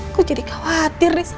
aku jadi khawatir nih sama el